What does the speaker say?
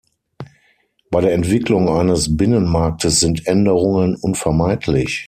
Bei der Entwicklung eines Binnenmarktes sind Änderungen unvermeidlich.